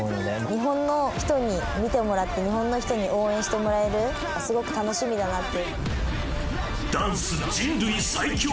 日本の人に見てもらって日本の人に見てもらえる、すごく楽しみだなって。